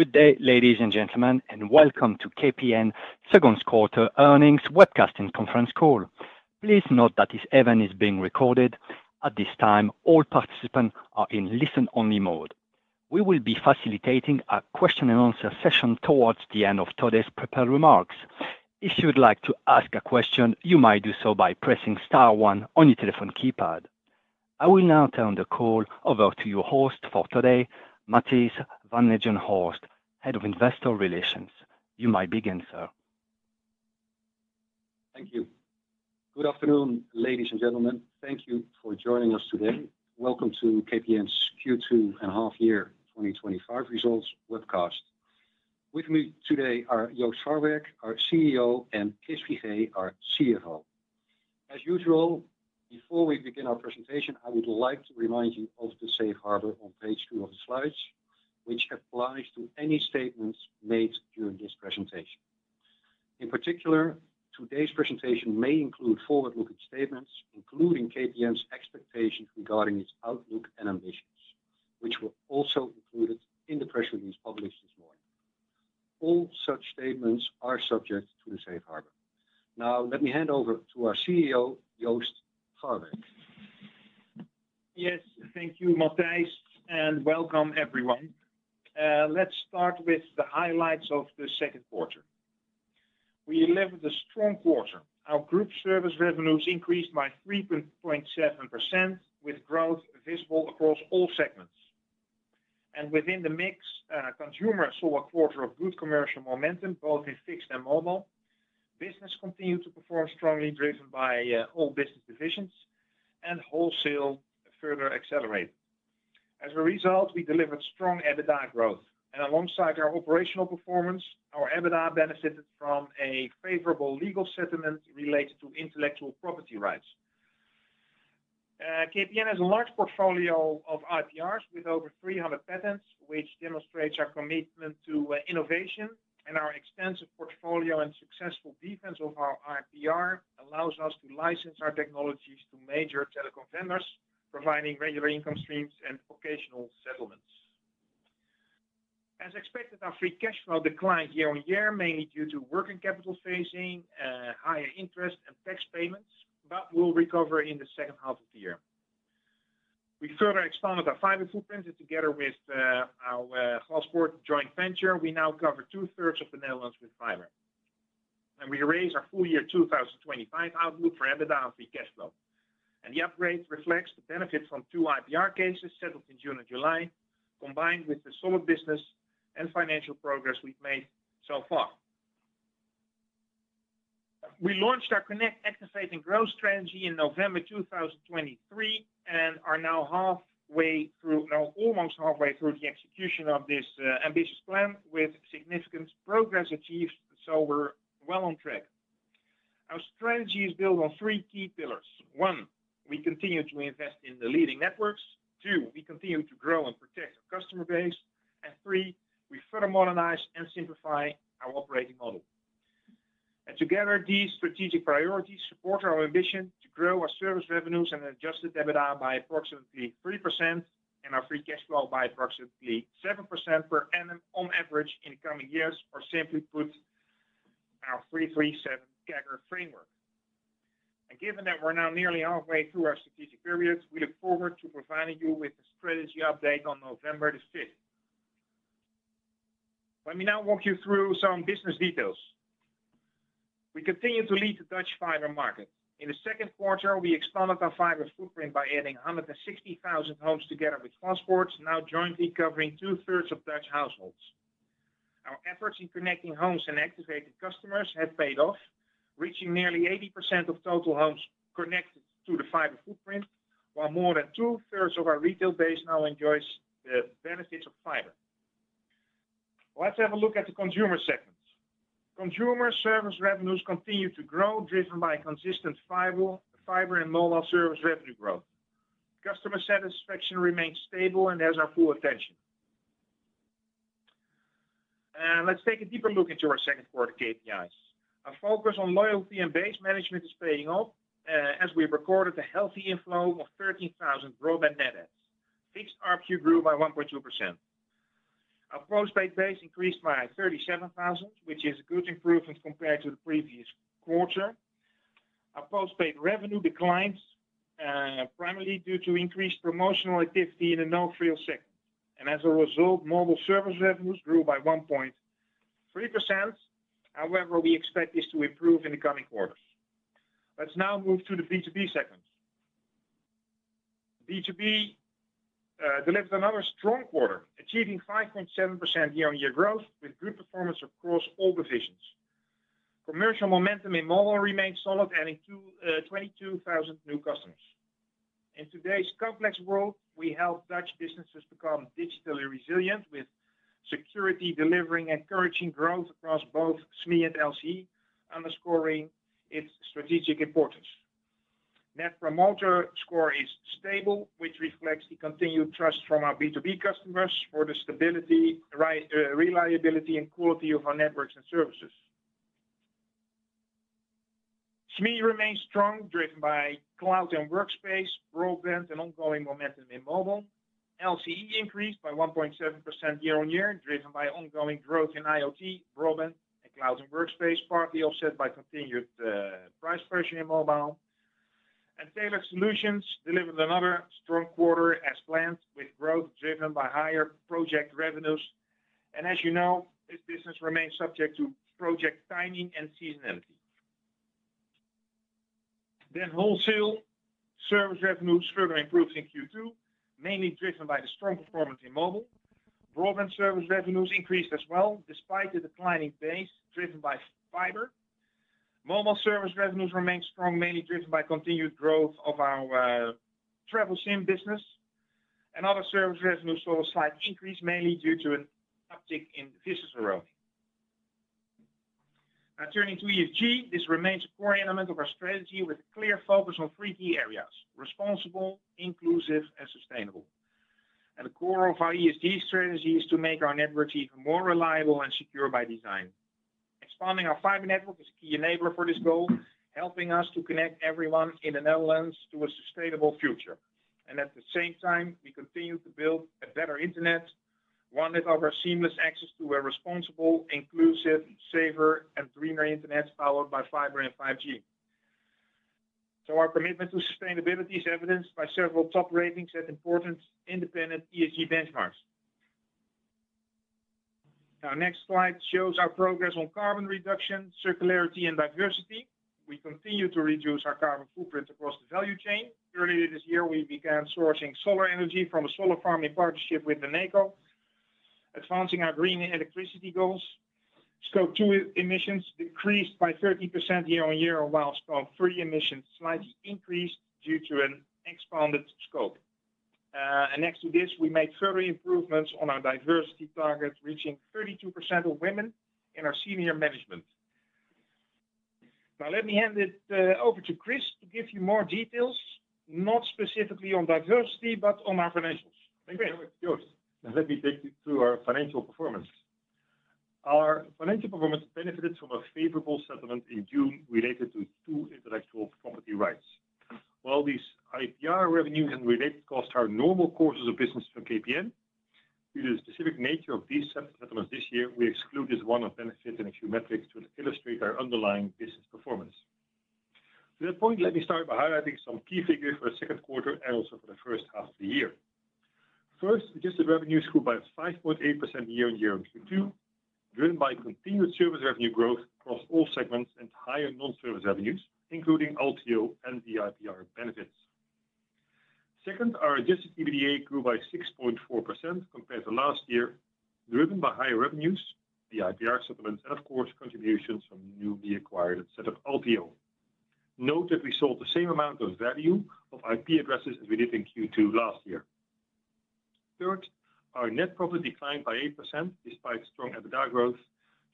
Good day, ladies and gentlemen, and welcome to KPN's 2nd quarter earnings webcast and conference call. Please note that this event is being recorded. At this time, all participants are in listen-only mode. We will be facilitating a question-and-answer session towards the end of today's prepared remarks. If you'd like to ask a question, you might do so by pressing star one on your telephone keypad. I will now turn the call over to your host for today, Matthijs Van Leijenhorst, Head of Investor Relations. You may begin, sir. Thank you. Good afternoon, ladies and gentlemen. Thank you for joining us today. Welcome to KPN's Q2 and half-year 2025 results webcast. With me today are Joost Farwerck, our CEO, and Chris Figee, our CFO. As usual, before we begin our presentation, I would like to remind you of the safe harbor on page two of the slides, which applies to any statements made during this presentation. In particular, today's presentation may include forward-looking statements, including KPN's expectations regarding its outlook and ambitions, which were also included in the press release published this morning. All such statements are subject to the safe harbor. Now, let me hand over to our CEO, Joost Farwerck. Yes, thank you, Matthijs, and welcome, everyone. Let's start with the highlights of the second quarter. We delivered a strong quarter. Our group service revenues increased by 3.7%, with growth visible across all segments. Within the mix, consumers saw a quarter of good commercial momentum, both in fixed and mobile. Business continued to perform strongly, driven by all business decisions, and wholesale further accelerated. As a result, we delivered strong EBITDA growth. Alongside our operational performance, our EBITDA benefited from a favorable legal settlement related to intellectual property rights. KPN has a large portfolio of IPRs with over 300 patents, which demonstrates our commitment to innovation. Our extensive portfolio and successful defense of our IPR allows us to license our technologies to major telecom vendors, providing regular income streams and occasional settlements. As expected, our free cash flow declined year on year, mainly due to working capital phasing, higher interest, and tax payments, but we will recover in the second half of the year. We further expanded our fiber footprint, and together with our Glaspoort joint venture, we now cover 2/3 of the Netherlands with fiber. We raised our full-year 2025 outlook for EBITDA and free cash flow. And the upgrade reflects the benefits from two IPR cases settled in June and July, combined with the solid business and financial progress we have made so far. We launched our connect, activate, and grow strategy in November 2023 and are now halfway through, almost halfway through the execution of this ambitious plan, with significant progress achieved, so we are well on track. Our strategy is built on three key pillars. One, we continue to invest in the leading networks. Two, we continue to grow and protect our customer base. Three, we further modernize and simplify our operating model. Together, these strategic priorities support our ambition to grow our service revenues and adjusted EBITDA by approximately 3% and our free cash flow by approximately 7% per annum on average in coming years, or simply put, our 337 CAGR framework. Given that we are now nearly halfway through our strategic period, we look forward to providing you with a strategy update on November the 5th. Let me now walk you through some business details. We continue to lead the Dutch fiber market. In the second quarter, we expanded our fiber footprint by adding 160,000 homes together with transport, now jointly covering 2/3 of Dutch households. Our efforts in connecting homes and activated customers have paid off, reaching nearly 80% of total homes connected to the fiber footprint, while more than 2/3 of our retail base now enjoys the benefits of fiber. Let's have a look at the consumer segment. Consumer service revenues continue to grow, driven by consistent fiber and mobile service revenue growth. Customer satisfaction remains stable and has our full attention. Let's take a deeper look into our second quarter KPIs. Our focus on loyalty and base management is paying off as we recorded a healthy inflow of 13,000 broadband net adds. Fixed ARPU grew by 1.2%. Our postpaid base increased by 37,000, which is a good improvement compared to the previous quarter. Our postpaid revenue declined, primarily due to increased promotional activity in the no-frills segment. As a result, mobile service revenues grew by 1.3%. However, we expect this to improve in the coming quarters. Let's now move to the B2B segment. B2B delivered another strong quarter, achieving 5.7% year-on-year growth with good performance across all divisions. Commercial momentum in mobile remains solid, adding 22,000 new customers. In today's complex world, we help Dutch businesses become digitally resilient with security, delivering, encouraging growth across both SME and LCE, underscoring its strategic importance. Net promoter score is stable, which reflects the continued trust from our B2B customers for the stability, reliability, and quality of our networks and services. SME remains strong, driven by cloud and workspace, broadband, and ongoing momentum in mobile. LCE increased by 1.7% year-on-year, driven by ongoing growth in IoT, broadband, and cloud and workspace, partly offset by continued price pressure in mobile. And Tailored Solutions delivered another strong quarter as planned, with growth driven by higher project revenues. And as you know, this business remains subject to project timing and seasonality. Then wholesale service revenues further improved in Q2, mainly driven by the strong performance in mobile. Broadband service revenues increased as well, despite the declining pace, driven by fiber. Mobile service revenues remained strong, mainly driven by continued growth of our Travel SIM business. Other service revenues saw a slight increase, mainly due to an uptick in physical roaming. Now, turning to ESG, this remains a core element of our strategy with a clear focus on three key areas: responsible, inclusive, and sustainable. The core of our ESG strategy is to make our networks even more reliable and secure by design. Expanding our fiber network is a key enabler for this goal, helping us to connect everyone in the Netherlands to a sustainable future. At the same time, we continue to build a better internet, one that offers seamless access to a responsible, inclusive, safer, and greener internet powered by fiber and 5G. So our commitment to sustainability is evidenced by several top ratings at important independent ESG benchmarks. Our next slide shows our progress on carbon reduction, circularity, and diversity. We continue to reduce our carbon footprint across the value chain. Earlier this year, we began sourcing solar energy from a solar farm in partnership with Eneco, advancing our green electricity goals. Scope two emissions decreased by 30% year-on-year, while scope three emissions slightly increased due to an expanded scope. Next to this, we made further improvements on our diversity target, reaching 32% of women in our senior management. Now, let me hand it over to Chris to give you more details, not specifically on diversity, but on our financials. Thank you very much. Joost, let me take you through our financial performance. Our financial performance benefited from a favorable settlement in June related to two intellectual property rights. While these IPR revenues and related costs are normal courses of business for KPN, due to the specific nature of these settlements this year, we excluded one-off benefits in a few metrics to illustrate our underlying business performance. To that point, let me start by highlighting some key figures for the second quarter and also for the 1st half of the year. First, adjusted revenues grew by 5.8% year-on-year in Q2, driven by continued service revenue growth across all segments and higher non-service revenues, including LTO and the IPR benefits. Second, our adjusted EBITDA grew by 6.4% compared to last year, driven by higher revenues, the IPR settlements, and of course, contributions from newly acquired and set-up LTO. Note that we saw the same amount of value of IP addresses as we did in Q2 last year. Third, our net profit declined by 8% despite strong EBITDA growth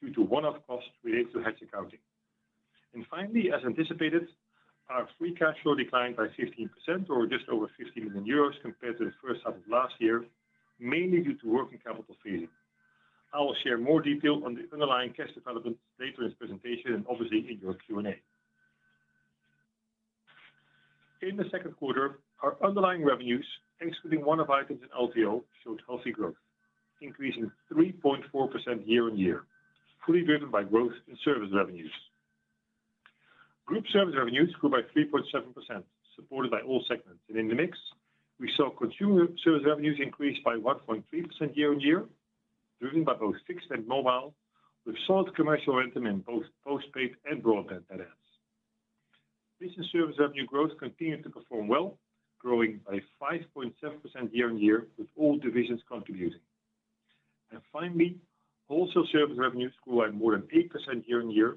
due to one-off costs related to hedge accounting. Finally, as anticipated, our free cash flow declined by 15%, or just over 15 million euros compared to the first half of last year, mainly due to working capital phasing. I will share more detail on the underlying cash development later in this presentation and obviously in your Q&A. In the second quarter, our underlying revenues, excluding one-off items and LTO, showed healthy growth, increasing 3.4% year-on-year, fully driven by growth in service revenues. Group service revenues grew by 3.7%, supported by all segments. In the mix, we saw consumer service revenues increase by 1.3% year-on-year, driven by both fixed and mobile, with solid commercial momentum in both postpaid and broadband net adds. Recent service revenue growth continued to perform well, growing by 5.7% year-on-year, with all divisions contributing. Wholesale service revenues grew by more than 8% year-on-year,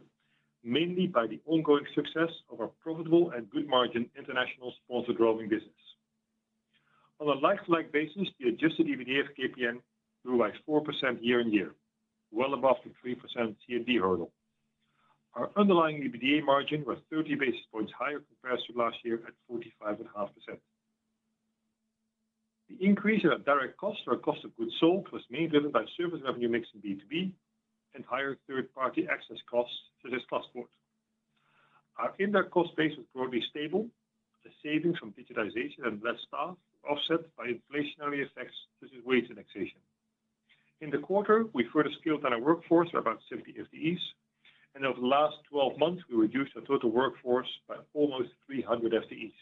mainly by the ongoing success of our profitable and good-margin international sponsored roaming business. On a like-for-like basis, the adjusted EBITDA of KPN grew by 4% year-on-year, well above the 3% CMD hurdle. Our underlying EBITDA margin was 30 basis points higher compared to last year at 45.5%. The increase in our direct costs, our cost of goods sold, was mainly driven by service revenue mix in B2B and higher third-party access costs such as transport. Our indirect cost base was broadly stable, with savings from digitization and less staff, offset by inflationary effects such as wage indexation. In the quarter, we further scaled down our workforce by about 70 FTEs. Over the last 12 months, we reduced our total workforce by almost 300 FTEs.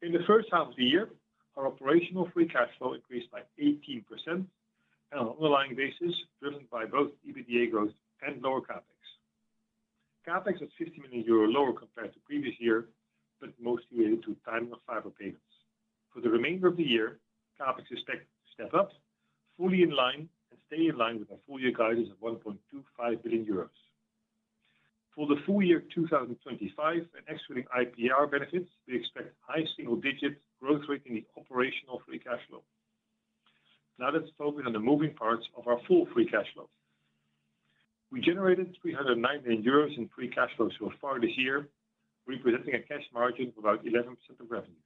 In the first half of the year, our operational free cash flow increased by 18% on an underlying basis, driven by both EBITDA growth and lower CapEx. CapEx was 50 million euro lower compared to the previous year, but mostly related to timing of fiber payments. For the remainder of the year, CapEx is expected to step up, fully in line, and stay in line with our full-year guidance of 1.25 billion euros. For the full year 2025 and excluding IPR benefits, we expect high single-digit growth rate in the operational free cash flow. Now let's focus on the moving parts of our full free cash flow. We generated 309 million euros in free cash flow so far this year, representing a cash margin of about 11% of revenues.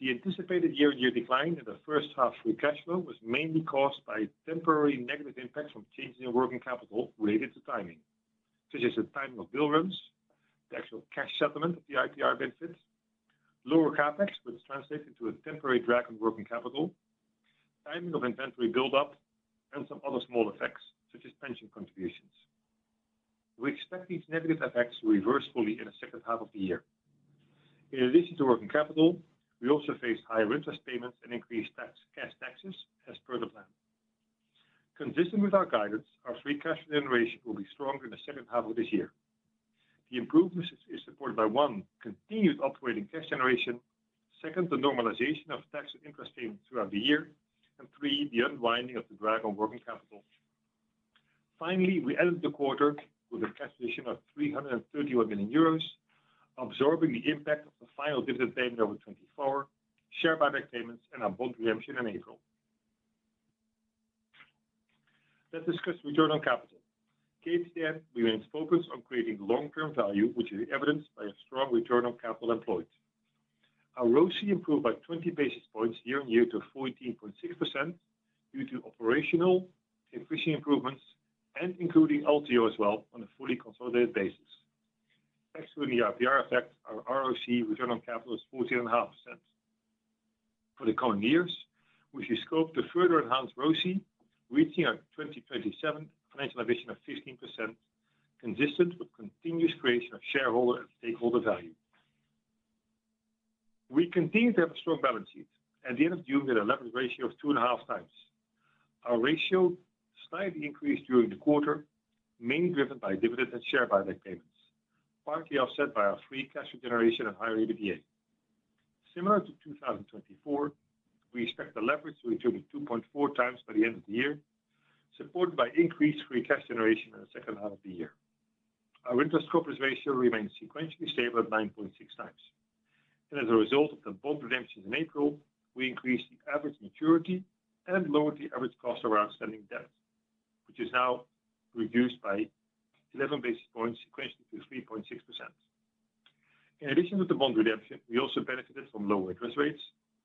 The anticipated year-on-year decline in the first half free cash flow was mainly caused by temporary negative impacts from changes in working capital related to timing, such as the timing of bill runs, the actual cash settlement of the IPR benefits, lower CapEx, which translates into a temporary drag on working capital, timing of inventory build-up, and some other small effects, such as pension contributions. We expect these negative effects to reverse fully in the second half of the year. In addition to working capital, we also face higher interest payments and increased cash taxes as per the plan. Consistent with our guidance, our free cash flow generation will be stronger in the 2nd half of this year. The improvement is supported by, one, continued operating cash generation, second, the normalization of tax and interest payments throughout the year, and three, the unwinding of the drag on working capital. Finally, we ended the quarter with a cash position of 331 million euros, absorbing the impact of the final dividend payment of 2024, share buyback payments, and our bond redemption in April. Let's discuss return on capital. KPN remains focused on creating long-term value, which is evidenced by a strong return on capital employed. Our RoCE improved by 20 basis points year-on-year to 14.6% due to operational and efficiency improvements, including LTO as well on a fully consolidated basis. Excluding the IPR effect, our RoCE return on capital is 14.5%. For the coming years, we should scope to further enhance RoCE, reaching a 2027 financial ambition of 15%, consistent with continuous creation of shareholder and stakeholder value. We continue to have a strong balance sheet. At the end of June, we had a leverage ratio of 2.5x. Our ratio slightly increased during the quarter, mainly driven by dividends and share buyback payments, partly offset by our free cash generation and higher EBITDA. Similar to 2024, we expect the leverage to return to 2.4x by the end of the year, supported by increased free cash generation in the 2nd half of the year. Our interest compensation remains sequentially stable at 9.6x. And as a result of the bond redemptions in April, we increased the average maturity and lowered the average cost of our outstanding debt, which is now reduced by 11 basis points sequentially to 3.6%. In addition to the bond redemption, we also benefited from lower interest rates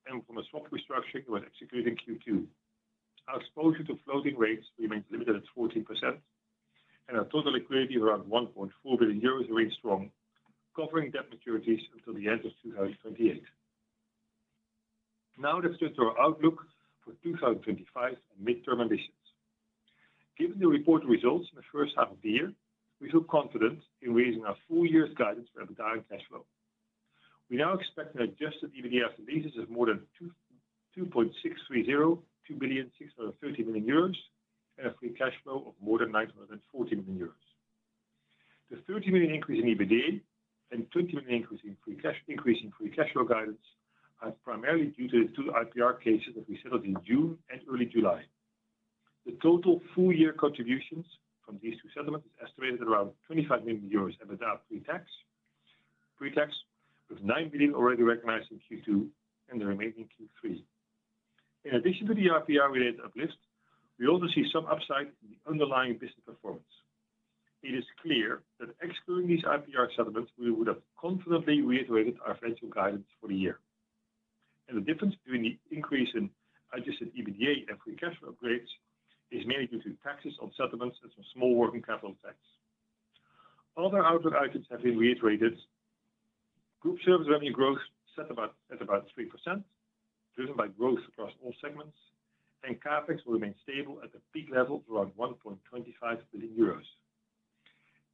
and from a soft restructuring that was executed in Q2. Our exposure to floating rates remains limited at 14%, and our total liquidity of around 1.4 billion euros remains strong, covering debt maturities until the end of 2028. Now let's turn to our outlook for 2025 and midterm ambitions. Given the reported results in the first half of the year, we feel confident in raising our full year's guidance for EBITDA and cash flow. We now expect an adjusted EBITDA after leases of more than 2.630 billion euros, and a free cash flow of more than 940 million euros. The 30 million increase in EBITDA and 20 million increase in free cash flow guidance are primarily due to the two IPR cases that we settled in June and early July. The total full-year contributions from these two settlements are estimated at around 25 million euros EBITDA after free tax, with 9 million already recognized in Q2 and the remaining in Q3. In addition to the IPR-related uplift, we also see some upside in the underlying business performance. It is clear that excluding these IPR settlements, we would have confidently reiterated our financial guidance for the year. The difference between the increase in adjusted EBITDA and free cash flow upgrades is mainly due to taxes on settlements and some small working capital tax. Other outlook items have been reiterated. Group service revenue growth set at about 3%, driven by growth across all segments, and CapEx will remain stable at the peak level of around 1.25 billion euros.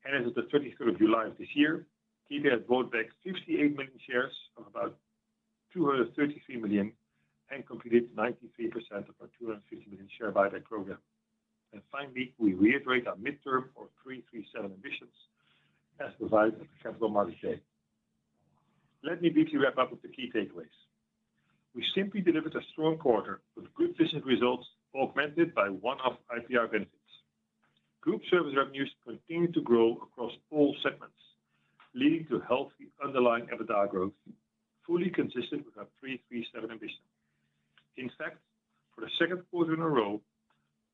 As of the 23rd of July of this year, KPN has bought back 58 million shares for about 233 million and completed 93% of our 250 million share buyback program. Finally, we reiterate our midterm or 337 ambitions as provided at the capital market day. Let me briefly wrap up with the key takeaways. We simply delivered a strong quarter with good business results augmented by one-off IPR benefits. Group service revenues continue to grow across all segments, leading to healthy underlying EBITDA growth, fully consistent with our 337 ambition. In fact, for the second quarter in a row,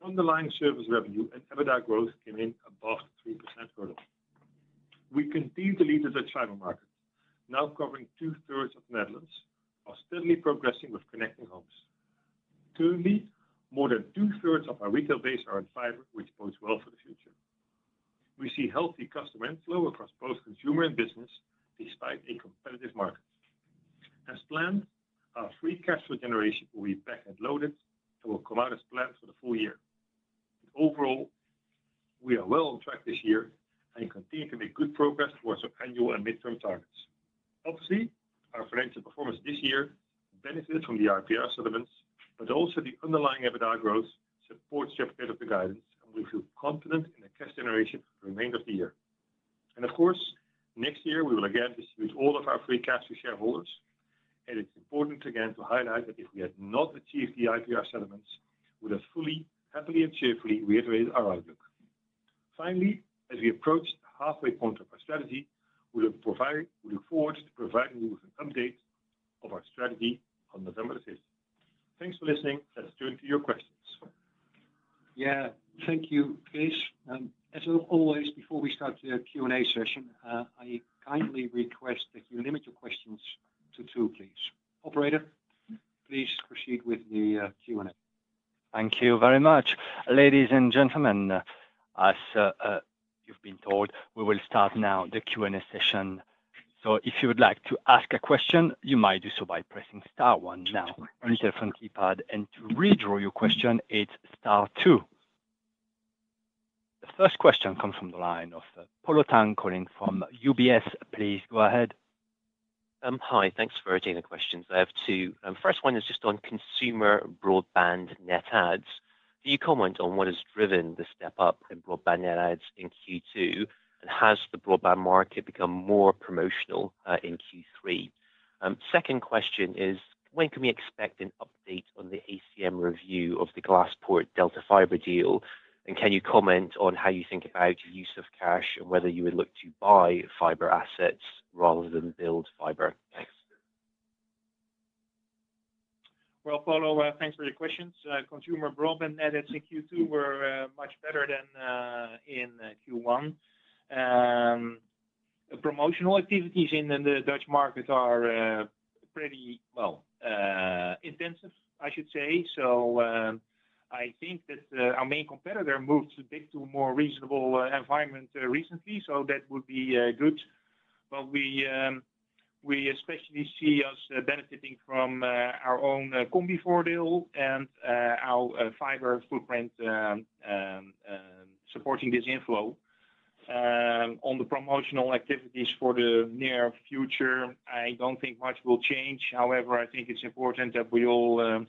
underlying service revenue and EBITDA growth came in above the 3% hurdle. We continue to lead the decline of markets, now covering 2/3 of the Netherlands, while steadily progressing with connecting homes. Currently, more than 2/3 of our retail base are in fiber, which bodes well for the future. We see healthy customer inflow across both consumer and business, despite a competitive market. As planned, our free cash flow generation will be back-end loaded, and will come out as planned for the full year. Overall, we are well on track this year and continue to make good progress towards our annual and midterm targets. Obviously, our financial performance this year benefited from the IPR settlements, but also the underlying EBITDA growth supports the update of the guidance, and we feel confident in the cash generation for the remainder of the year. Of course, next year, we will again distribute all of our free cash to shareholders. It is important again to highlight that if we had not achieved the IPR settlements, we would have fully, happily, and cheerfully reiterated our outlook. Finally, as we approach the halfway point of our strategy, we look forward to providing you with an update of our strategy on November the 5th. Thanks for listening. Let's turn to your questions. Yeah, thank you, Chris. As always, before we start the Q&A session, I kindly request that you limit your questions to two, please. Operator, please proceed with the Q&A. Thank you very much. Ladies and gentlemen. As you've been told, we will start now the Q&A session. If you would like to ask a question, you might do so by pressing star one now on your telephone keypad. To withdraw your question, it's star two. The first question comes from the line of Polo Tang calling from UBS. Please go ahead. Hi, thanks for taking the questions. I have two. First one is just on consumer broadband net adds. Can you comment on what has driven the step up in broadband net adds in Q2, and has the broadband market become more promotional in Q3? Second question is, when can we expect an update on the ACM review of the Glaspoort DELTA Fiber deal? Can you comment on how you think about the use of cash and whether you would look to buy fiber assets rather than build fiber? Well, Polo, thanks for your questions. Consumer broadband net adds in Q2 were much better than in Q1. Promotional activities in the Dutch market are pretty well intensive, I should say. I think that our main competitor moved a bit to a more reasonable environment recently, so that would be good. We especially see us benefiting from our own CombiVoordeel and our fiber footprint supporting this inflow. On the promotional activities for the near future, I do not think much will change. However, I think it is important that we all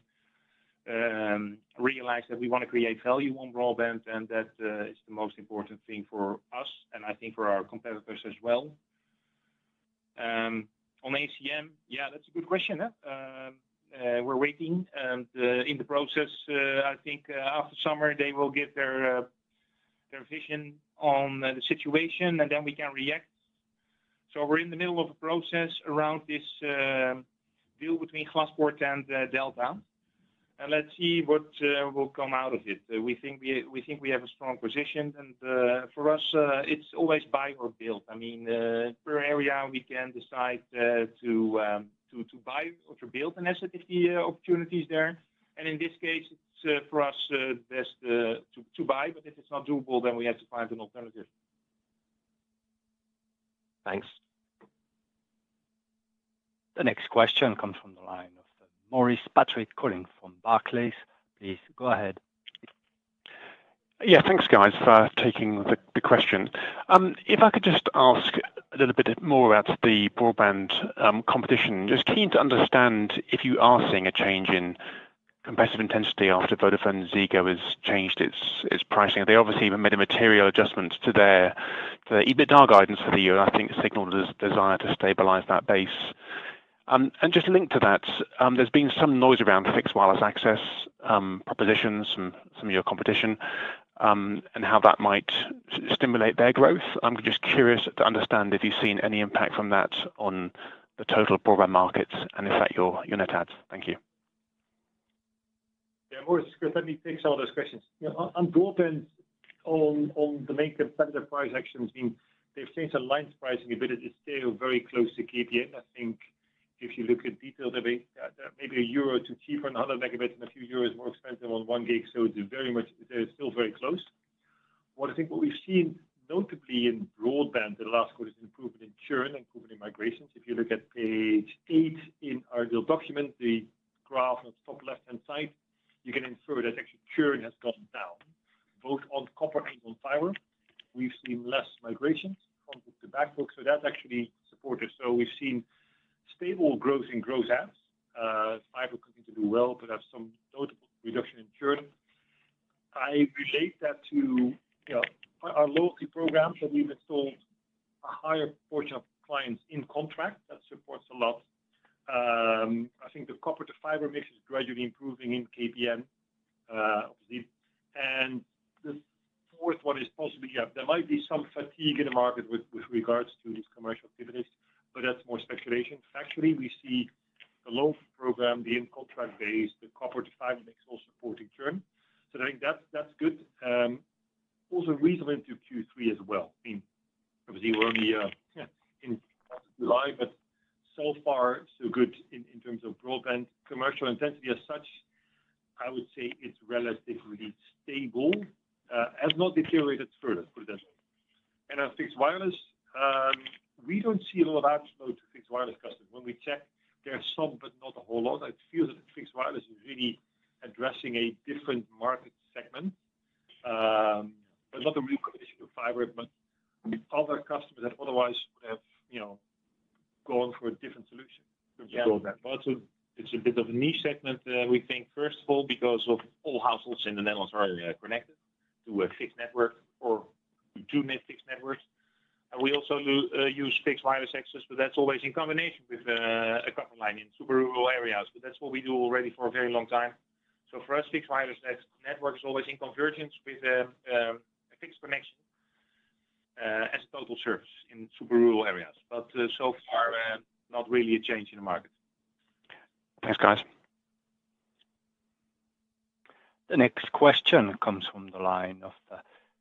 realize that we want to create value on broadband, and that is the most important thing for us, and I think for our competitors as well. On ACM, yeah, that is a good question. We are waiting in the process. I think after summer, they will give their vision on the situation, and then we can react. We are in the middle of a process around this deal between Glaspoort and DELTA. Let us see what will come out of it. We think we have a strong position. For us, it is always buy or build. I mean, per area, we can decide to buy or to build an asset if the opportunity is there. In this case, it is for us best to buy, but if it is not doable, then we have to find an alternative. Thanks. The next question comes from the line of Maurice Patrick calling from Barclays. Please go ahead. Yeah, thanks, guys, for taking the question. If I could just ask a little bit more about the broadband competition, just keen to understand if you are seeing a change in competitive intensity after VodafoneZiggo has changed its pricing. They obviously have made a material adjustment to their EBITDA guidance for the year, and I think it signaled a desire to stabilize that base. Just linked to that, there's been some noise around fixed wireless access propositions from some of your competition. How that might stimulate their growth. I'm just curious to understand if you've seen any impact from that on the total broadband market and, in fact, your net adds. Thank you. Yeah, Maurice, Chris, let me take some of those questions. On broadband. On the main competitor price actions, I mean, they've changed their lines pricing a bit. It's still very close to KPN. I think if you look at detailed debate, maybe EUR 1-EUR 2 cheaper on 100 Mb and a few euros more expensive on 1 Gb, so it's very much still very close. What I think what we've seen notably in broadband in the last quarter is improvement in churn and improvement in migrations. If you look at page eight in our deal document, the graph on the top left-hand side, you can infer that actually churn has gone down, both on copper and on fiber. We've seen less migrations from book to back book, so that's actually supportive. We've seen stable growth in gross ads. Fiber continues to do well, but have some notable reduction in churn. I relate that to our loyalty program that we've installed, a higher portion of clients in contract. That supports a lot. I think the copper to fiber mix is gradually improving in KPN, bbviously. The fourth one is possibly, yeah, there might be some fatigue in the market with regards to these commercial activities, but that's more speculation. Factually, we see the loyalty program, the in-contract base, the copper to fiber mix all supporting churn. I think that's good. Also reasonably into Q3 as well. I mean, obviously, we're only in July, but so far so good in terms of broadband. Commercial intensity as such, I would say it's relatively stable. Has not deteriorated further, put it that way. On fixed wireless. We don't see a lot of outflow to fixed wireless customers. When we check, there are some, but not a whole lot. I feel that fixed wireless is really addressing a different market segment. Not the real competition of fiber, but other customers that otherwise would have gone for a different solution to build that. It's a bit of a niche segment, we think, first of all, because all households in the Netherlands are connected to a fixed network or two fixed networks. We also use fixed wireless access, but that's always in combination with a copper line in super rural areas. That's what we do already for a very long time. For us, fixed wireless network is always in convergence with a fixed connection as a total service in super rural areas. So far, not really a change in the market. Thanks, guys. The next question comes from the line of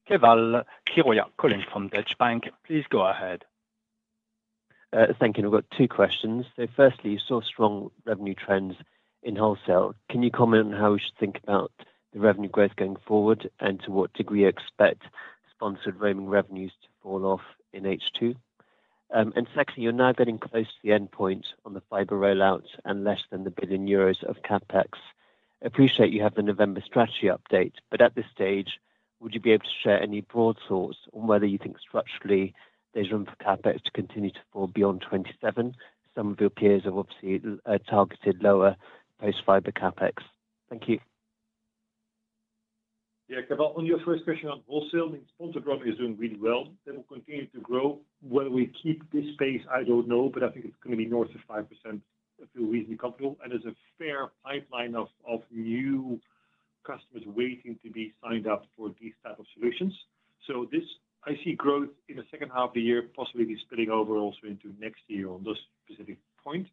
Keval Khiroya calling from Deutsche Bank. Please go ahead. Thank you. We've got two questions. Firstly, you saw strong revenue trends in wholesale. Can you comment on how we should think about the revenue growth going forward, and to what degree you expect sponsored roaming revenues to fall off in H2? Secondly, you're now getting close to the endpoint on the fiber rollout and less than 1 billion euros of CapEx. I appreciate you have the November strategy update, but at this stage, would you be able to share any broad thoughts on whether you think structurally there's room for CapEx to continue to fall beyond 2027? Some of your peers have obviously targeted lower post-fiber CapEx. Thank you. Yeah, Kevin, on your first question on wholesale, I mean, sponsored roaming is doing really well. They will continue to grow. Whether we keep this pace, I do not know, but I think it is going to be north of 5%. I feel reasonably comfortable. And there is a fair pipeline of new customers waiting to be signed up for these types of solutions. This, I see growth in the second half of the year, possibly spinning over also into next year on this specific point.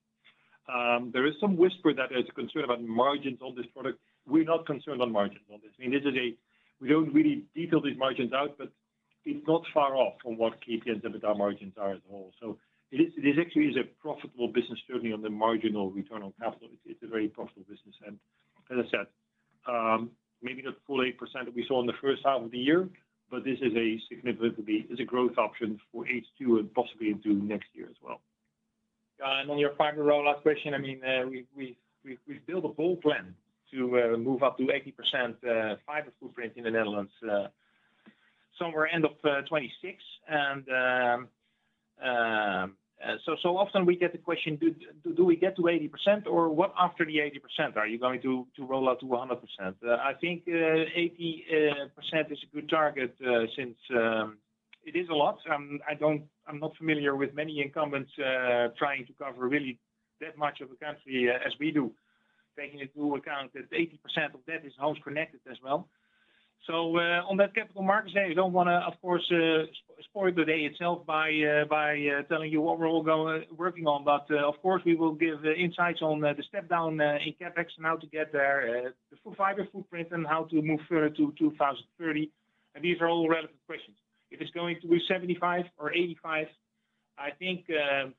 There is some whisper that there is a concern about margins on this product. We are not concerned on margins on this. I mean, we do not really detail these margins out, but it is not far off from what KPN's EBITDA margins are as a whole. It actually is a profitable business, certainly on the marginal return on capital. It is a very profitable business. As I said, maybe not full 8% that we saw in the first half of the year, but this is a significantly, it is a growth option for H2 and possibly into next year as well. Yeah, and on your fiber rollout question, I mean, we've built a bold plan to move up to 80% fiber footprint in the Netherlands, somewhere end of 2026. So often we get the question, do we get to 80% or what after the 80%, are you going to roll out to 100%? I think 80% is a good target since it is a lot. I'm not familiar with many incumbents trying to cover really that much of a country as we do, taking into account that 80% of that is homes connected as well. On that capital market side, I don't want to, of course, spoil the day itself by telling you what we're all working on, but of course, we will give insights on the step down in CapEx and how to get there, the full fiber footprint, and how to move further to 2030. These are all relevant questions. If it's going to be 75% or 85%, I think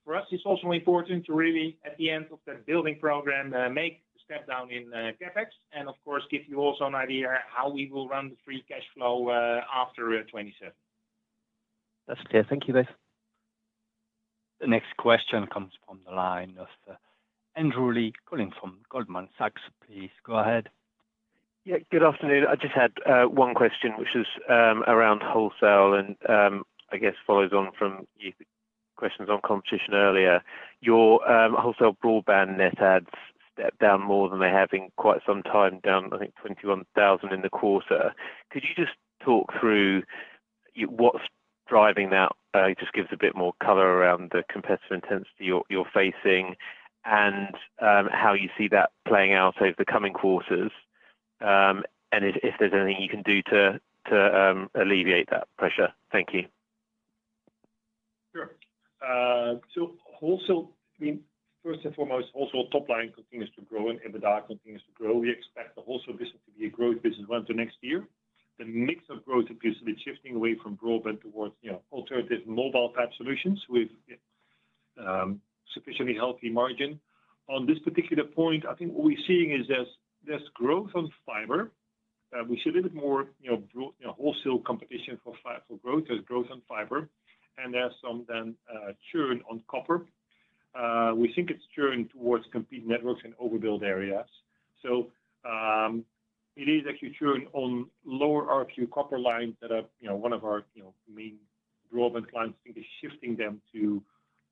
for us, it's also important to really, at the end of that building program, make the step down in CapEx and, of course, give you also an idea how we will run the free cash flow after 2027. That's clear. Thank you both. The next question comes from the line of Andrew Lee calling from Goldman Sachs. Please go ahead. Yeah, good afternoon. I just had one question, which is around wholesale and I guess follows on from your questions on competition earlier. Your wholesale broadband net adds stepped down more than they have in quite some time, down, I think, 21,000 in the quarter. Could you just talk through what's driving that? It just gives a bit more color around the competitive intensity you're facing and how you see that playing out over the coming quarters. If there's anything you can do to alleviate that pressure. Thank you. Sure. So wholesale, I mean, first and foremost, wholesale top line continues to grow and EBITDA continues to grow. We expect the wholesale business to be a growth business run to next year. The mix of growth appears to be shifting away from broadband towards alternative mobile type solutions with sufficiently healthy margin. On this particular point, I think what we're seeing is there's growth on fiber. We see a little bit more wholesale competition for growth. There's growth on fiber. And there's some then churn on copper. We think it's churn towards competing networks and overbuilt areas. It is actually churn on lower ARPU copper lines that are one of our main broadband clients. I think it's shifting them to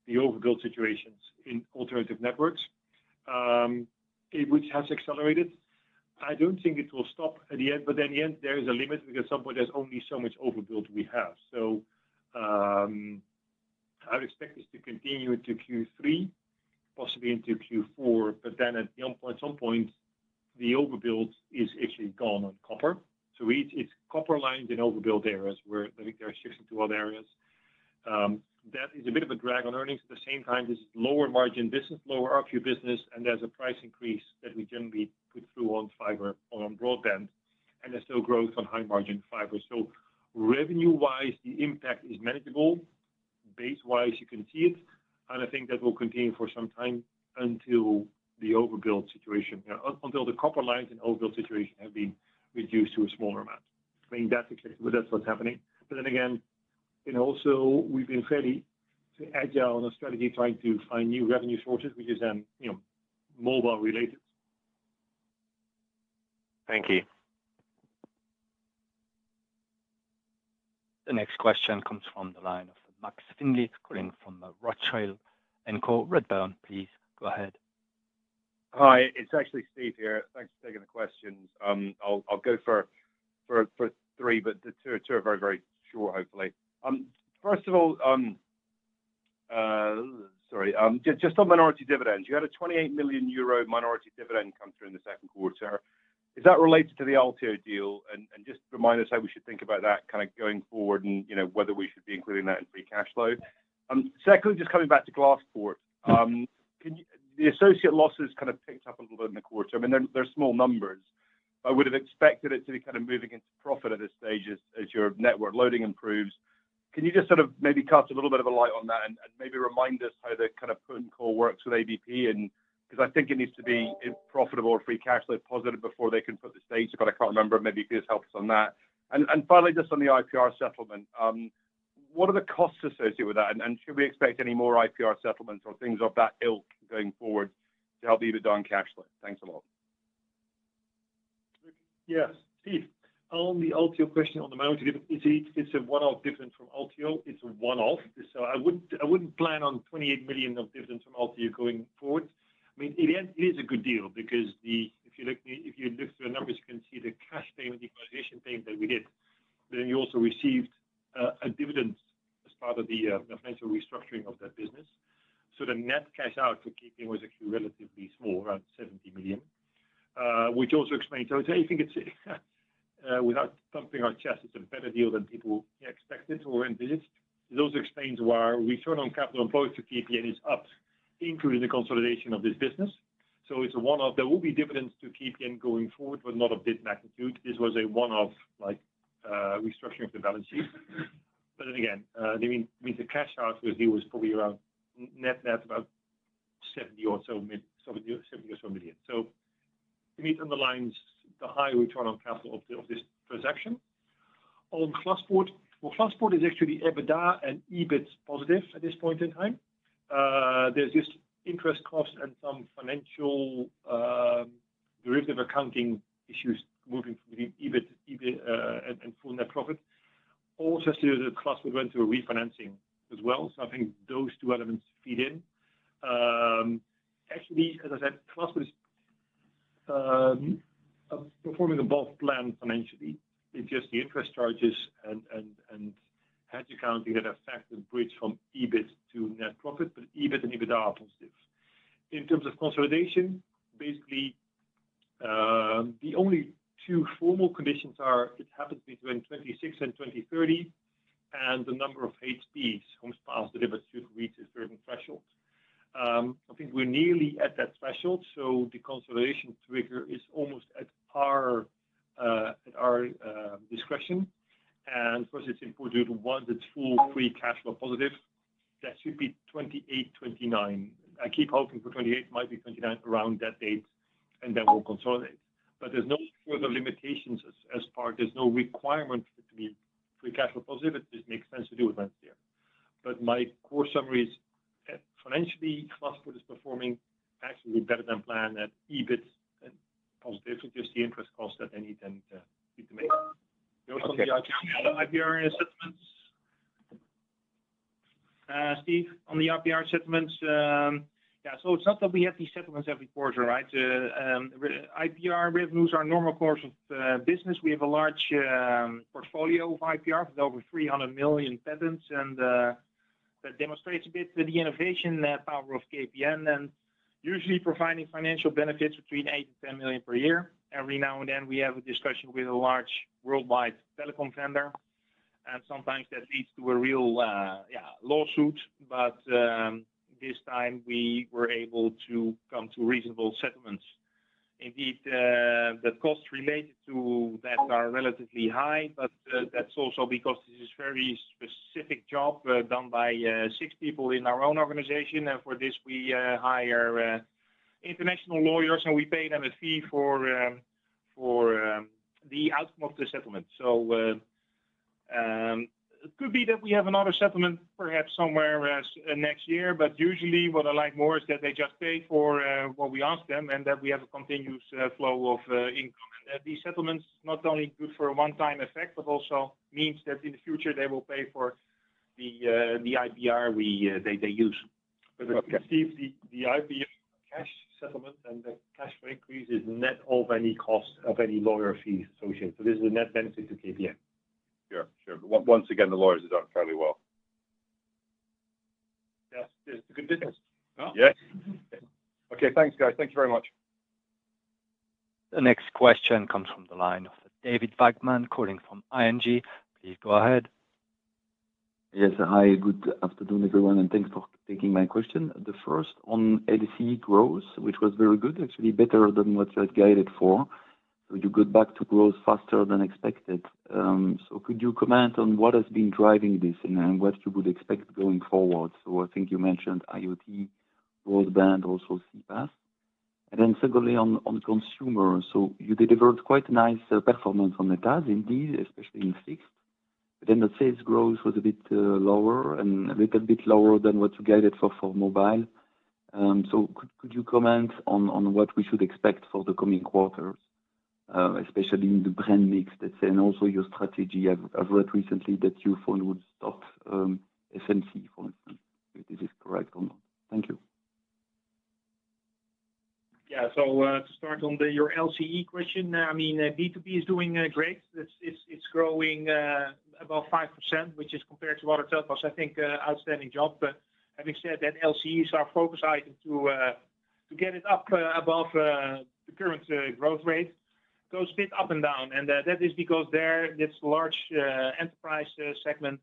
the overbuilt situations in alternative networks, which has accelerated. I don't think it will stop at the end, but in the end, there is a limit because at some point, there's only so much overbuilt we have. I would expect this to continue into Q3, possibly into Q4, but then at some point, the overbuilt is actually gone on copper. It's copper lines and overbuilt areas where I think they're shifting to other areas. That is a bit of a drag on earnings. At the same time, this is lower margin, this is lower ARPU business, and there's a price increase that we generally put through on fiber or on broadband. And there's still growth on high margin fiber. Revenue-wise, the impact is manageable. Base-wise, you can see it. I think that will continue for some time until the overbuilt situation, until the copper lines and overbuilt situation have been reduced to a smaller amount. I mean, that's what's happening. But then again, and also we've been fairly agile on a strategy trying to find new revenue sources, which is then mobile related. Thank you. The next question comes from the line of Max Findley calling from Rothschild & Co. Redburn, please go ahead. Hi, it's actually Steve here. Thanks for taking the questions. I'll go for three, but the two are very, very short, hopefully. First of all. Sorry, just on minority dividends, you had a 28 million euro minority dividend come through in the second quarter. Is that related to the Althio deal? And just remind us how we should think about that kind of going forward and whether we should be including that in free cash flow. Secondly, just coming back to Glaspoort. The associate losses kind of picked up a little bit in the quarter. I mean, they're small numbers, but I would have expected it to be kind of moving into profit at this stage as your network loading improves. Can you just sort of maybe cast a little bit of a light on that and maybe remind us how the kind of PIN call works with ABP? Because I think it needs to be profitable or free cash flow positive before they can put the stage up. I can't remember. Maybe you could just help us on that. And finally, just on the IPR settlement. What are the costs associated with that? And should we expect any more IPR settlements or things of that ilk going forward to help EBITDA and cash flow? Thanks a lot. Yes, Steve. On the Althio question on the momentum it's a one-off dividend from Althio. It's a one-off. I wouldn't plan on 28 million of dividends from Althio going forward. I mean, in the end, it is a good deal because if you look through the numbers, you can see the cash payment, the equalization payment that we did, then you also received a dividend as part of the financial restructuring of that business. The net cash out for KPN was actually relatively small, around 70 million, which also explains, I think, it's. Without pumping our chest, it's a better deal than people expected or envisaged. It also explains why return on capital employed for KPN is up, including the consolidation of this business. It's a one-off. There will be dividends to KPN going forward, but not of this magnitude. This was a one-off. Restructuring of the balance sheet. I mean, the cash out was probably around net net about 70 or so million. It meets on the lines the high return on capital of this transaction. On Glaspoort, Glaspoort is actually EBITDA and EBIT positive at this point in time. There's just interest costs and some financial derivative accounting issues moving from EBIT and full net profit. Also has to do with Glaspoort went to a refinancing as well. I think those two elements feed in. Actually, as I said, Glaspoort is performing above plan financially. It's just the interest charges and hedge accounting that affect the bridge from EBIT to net profit, but EBIT and EBITDA are positive. In terms of consolidation, basically the only two formal conditions are it happens between 2026 and 2030, and the number of HPs, homes passed, delivered to reach a certain threshold. I think we're nearly at that threshold, so the consolidation trigger is almost at our discretion. Of course, it's important once it's full free cash flow positive, that should be 2028, 2029. I keep hoping for 2028, might be 2029, around that date, and then we'll consolidate. There's no further limitations as part. There's no requirement for it to be free cash flow positive. It just makes sense to do it once a year. My core summary is financially, Glaspoort is performing actually better than planned at EBIT and positive, just the interest costs that they need to make. Joost, on the IPR settlements. Steve, on the IPR settlements. It's not that we have these settlements every quarter, right? IPR revenues are normal course of business. We have a large portfolio of IPR with over 300 million patents, and that demonstrates a bit the innovation power of KPN and usually providing financial benefits between 8 million-10 million per year. Every now and then, we have a discussion with a large worldwide telecom vendor, and sometimes that leads to a real, yeah, lawsuit. But. This time we were able to come to reasonable settlements. Indeed, the costs related to that are relatively high, but that's also because this is a very specific job done by six people in our own organization. For this, we hire international lawyers, and we pay them a fee for the outcome of the settlement. It could be that we have another settlement perhaps somewhere next year, but usually what I like more is that they just pay for what we ask them and that we have a continuous flow of income. These settlements are not only good for a one-time effect, but also mean that in the future they will pay for the IPR they use. As you can see, the IPR cash settlement and the cash increase is net of any cost of any lawyer fees associated. This is a net benefit to KPN. Sure, sure. Once again, the lawyers have done fairly well. Yes, this is a good business. Yes. Okay, thanks, guys. Thank you very much. The next question comes from the line of David Vagman calling from ING. Please go ahead. Yes, hi, good afternoon, everyone, and thanks for taking my question. The first on LCE growth, which was very good, actually better than what you had guided for. You got back to growth faster than expected. Could you comment on what has been driving this and what you would expect going forward? I think you mentioned IoT, broadband, also CPaaS. Secondly, on consumer, you delivered quite nice performance on the TAS, indeed, especially in fixed. The sales growth was a bit lower and a little bit lower than what you guided for mobile. Could you comment on what we should expect for the coming quarters, especially in the brand mix, let's say, and also your strategy? I've read recently that you thought you would stop essentially for instance. Is this correct or not? Thank you. Yeah, to start on your LCE question, I mean, B2B is doing great. It's growing about 5%, which is compared to what itself was, I think, an outstanding job. Having said that, LCE is our focus item to get it up above the current growth rate. It goes a bit up and down, and that is because there's a large enterprise segment.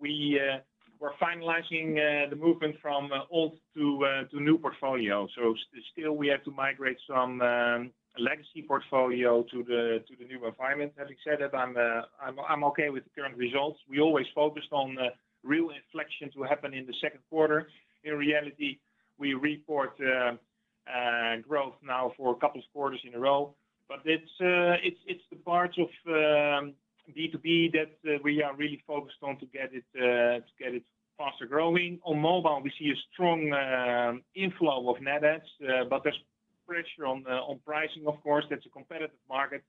We were finalizing the movement from old to new portfolio, so still, we have to migrate some legacy portfolio to the new environment. Having said that, I'm okay with the current results. We always focused on real inflection to happen in the second quarter. In reality, we report growth now for a couple of quarters in a row, but it's the parts of B2B that we are really focused on to get it faster growing. On mobile, we see a strong inflow of net adds, but there's pressure on pricing, of course. That's a competitive market.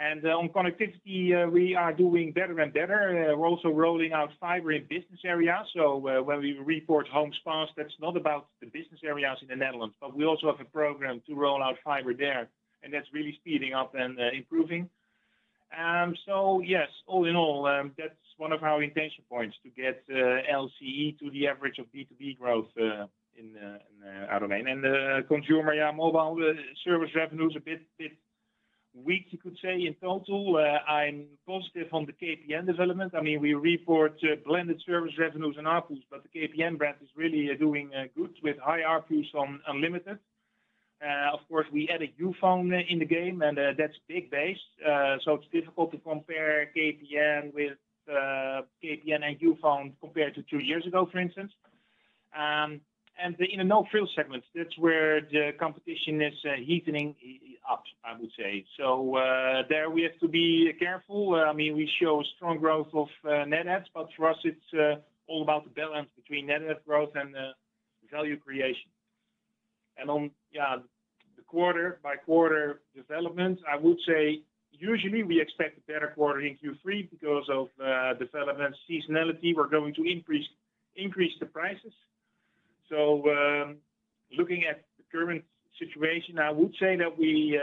On connectivity, we are doing better and better. We're also rolling out fiber in business areas. When we report homes passed, that's not about the business areas in the Netherlands, but we also have a program to roll out fiber there, and that's really speeding up and improving. Yes, all in all, that's one of our intention points to get LCE to the average of B2B growth in our domain. Consumer, yeah, mobile service revenue is a bit weak, you could say, in total. I'm positive on the KPN development. I mean, we report blended service revenues and ARPUs, but the KPN brand is really doing good with high ARPUs on unlimited. Of course, we added Youfone in the game, and that's big based, so it's difficult to compare KPN and Youfone compared to two years ago, for instance. In the no-frills segment, that's where the competition is heating up, I would say, so there we have to be careful. I mean, we show strong growth of net adds, but for us, it's all about the balance between net add growth and value creation. On the quarter-by-quarter development, I would say usually we expect a better quarter in Q3 because of development seasonality. We're going to increase the prices. Looking at the current situation, I would say that we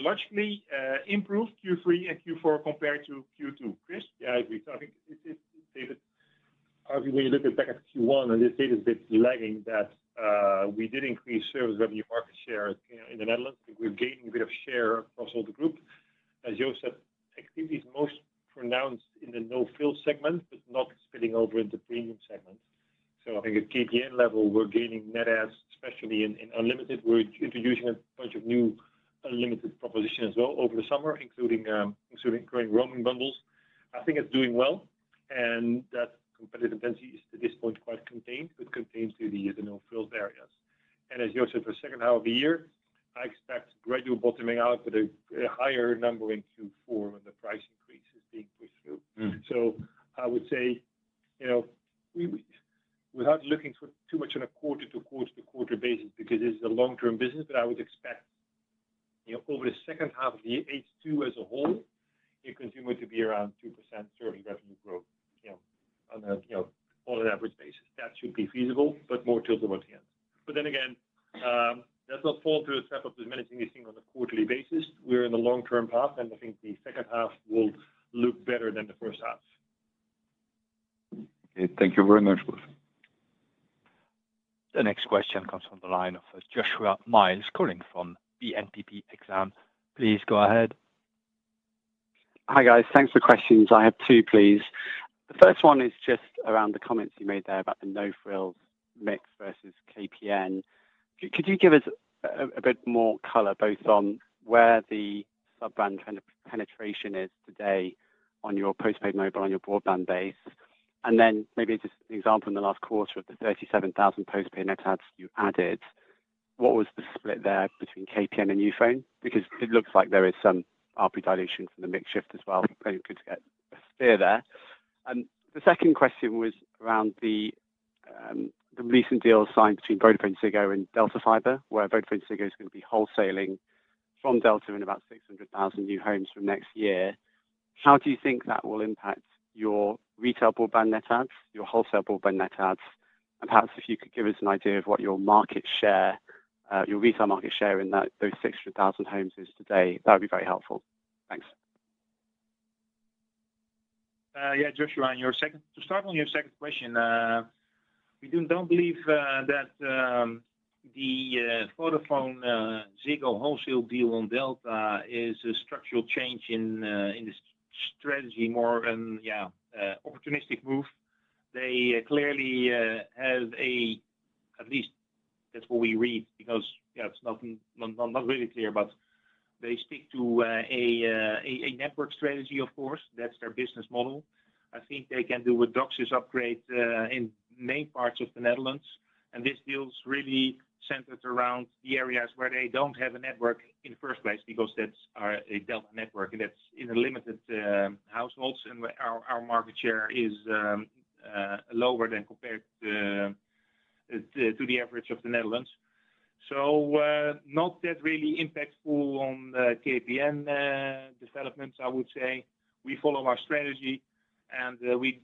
logically improved Q3 and Q4 compared to Q2. Chris? Yeah, if we're talking, David, arguably, you look back at Q1, and they say it's a bit lagging that we did increase service revenue market share in the Netherlands. We're gaining a bit of share across all the group. As Joost said, activity is most pronounced in the no-frills segment, but not spilling over into premium segments. I think at KPN level, we're gaining net adds, especially in unlimited. We're introducing a bunch of new unlimited propositions as well over the summer, including growing roaming bundles. I think it's doing well, and that competitive intensity is, at this point, quite contained, but contained to the no-frills areas. As Joost said, for the second half of the year, I expect gradual bottoming out with a higher number in Q4 when the price increase is being pushed through. I would say, without looking too much on a quarter-to-quarter-to-quarter basis, because this is a long-term business, I would expect, over the second half of the year, H2 as a whole, consumer to be around 2% service revenue growth. On an average basis, that should be feasible, but more till towards the end. Let's not fall into the trap of managing this thing on a quarterly basis. We're in the long-term path, and I think the second half will look better than the first half. Okay, thank you very much, Chris. The next question comes from the line of Joshua Mills calling from BNPP Exane. Please go ahead. Hi guys, thanks for the questions. I have two, please. The first one is just around the comments you made there about the no-frills mix versus KPN. Could you give us a bit more color, both on where the sub-brand penetration is today on your postpaid mobile, on your broadband base? And then maybe just an example in the last quarter of the 37,000 postpaid net adds you added, what was the split there between KPN and Youfone? Because it looks like there is some ARPU dilution from the mix shift as well. It's good to get a steer there. The second question was around the recent deal signed between VodafoneZiggo and DELTA Fiber, where VodafoneZiggo is going to be wholesaling from Delta in about 600,000 new homes from next year. How do you think that will impact your retail broadband net adds, your wholesale broadband net adds? And perhaps if you could give us an idea of what your market share, your retail market share in those 600,000 homes is today? That would be very helpful. Thanks. Yeah, Joshua, on your second, to start on your second question. We do not believe that the VodafoneZiggo wholesale deal on Delta is a structural change in the strategy, more an, yeah, opportunistic move. They clearly have a, at least that's what we read, because, yeah, it's not really clear, but they stick to a network strategy, of course. That's their business model. I think they can do a DOCSIS upgrade in many parts of the Netherlands. This deal is really centered around the areas where they do not have a network in the first place, because that's a DELTA network, and that's in limited households, and our market share is lower than compared to the average of the Netherlands. Not that really impactful on KPN developments, I would say. We follow our strategy, and we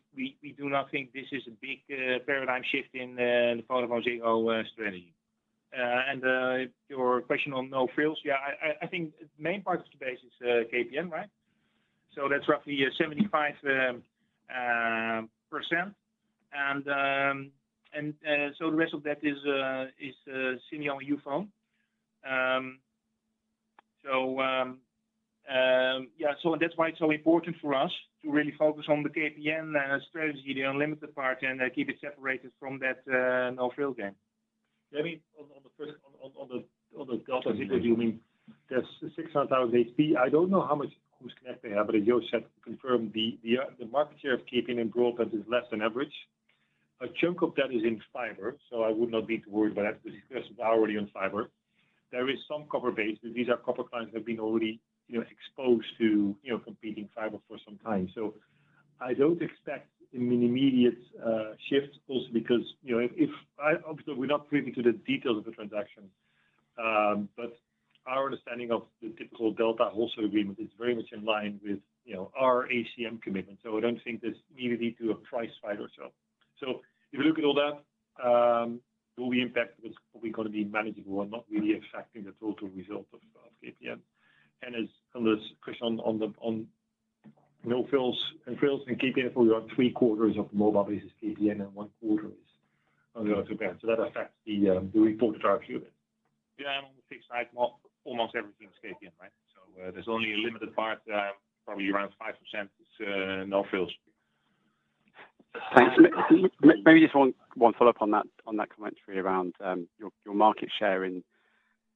do not think this is a big paradigm shift in the VodafoneZiggo strategy. Your question on no-frills, yeah, I think the main part of the base is KPN, right? That's roughly 75%. The rest of that is Simyo and Youfone. That's why it's so important for us to really focus on the KPN strategy, the unlimited part, and keep it separated from that no-frill game. I mean, on the first, on the DELTA deal, you mean that's 600,000 HP. I don't know how much who's connected here, but as Joost said, confirm the market share of KPN in broadband is less than average. A chunk of that is in fiber, so I would not be too worried about that because it's already on fiber. There is some copper base, but these are copper clients that have been already exposed to competing fiber for some time. I don't expect an immediate shift also because if, obviously, we're not privy to the details of the transaction. Our understanding of the typical DELTA wholesale agreement is very much in line with our ACM commitment. I don't think there's needed to a price fight or so. If you look at all that, what we impact is probably going to be manageable and not really affecting the total result of KPN. As on the question on no-frills and frills, and KPN, we're on three quarters of the mobile basis, KPN, and one quarter is on the other two bands. That affects the reported ARPU a bit. Yeah, and on the fixed type, almost everything's KPN, right? There's only a limited part, probably around 5% is no-frills. Thanks. Maybe just one follow-up on that commentary around your market share in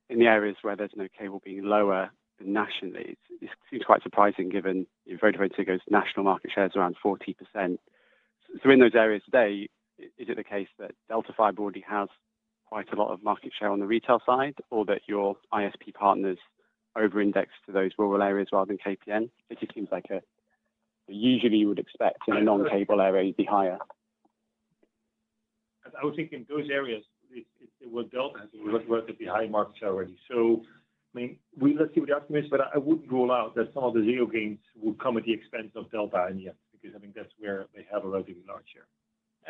the areas where there's no cable being lower nationally. It seems quite surprising given VodafoneZiggo's national market share is around 40%. In those areas today, is it the case that DELTA Fiber already has quite a lot of market share on the retail side, or that your ISP partners over-index to those rural areas rather than KPN? It just seems like usually you would expect in a non-cable area you'd be higher. I would think in those areas, it was DELTA who was working at the high market share already. I mean, let's see what the outcome is, but I wouldn't rule out that some of the real gains would come at the expense of DELTA and Yetz, because I think that's where they have a relatively large share.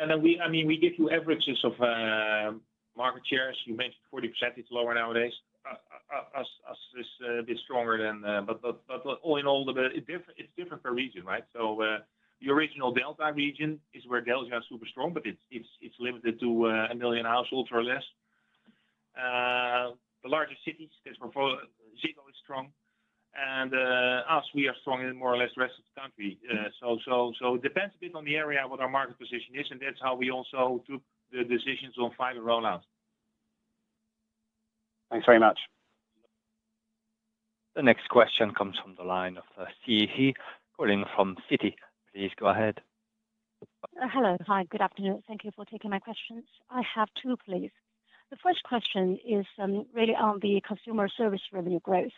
I mean, we give you averages of market shares. You mentioned 40% is lower nowadays. Us is a bit stronger then, but all in all, it's different per region, right? The original DELTA region is where DELTA is super strong, but it's limited to a million households or less. The larger cities, as before, signal is strong. Us, we are strong in more or less the rest of the country. It depends a bit on the area, what our market position is, and that's how we also took the decisions on fiber rollout. Thanks very much. The next question comes from the line of Siyi He calling from Citi. Please go ahead. Hello, hi, good afternoon. Thank you for taking my questions. I have two, please. The first question is really on the consumer service revenue growth.